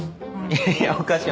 いやいやおかしい